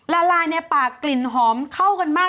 ละลายในปากกลิ่นหอมเข้ากันมาก